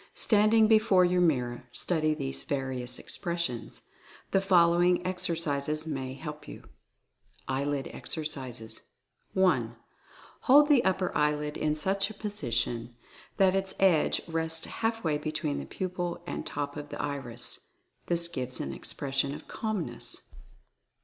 Standing before your mir ror, study these various expressions. The following exercises may help you. EYELID EXERCISES. I. Hold the upper lid in such a position that its Eye Expression 219 edge rests half way between the pupil and top of the iris. This gives an expression of Calmness.